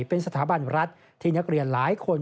เป็นสถาบันรัฐที่นักเรียนหลายคน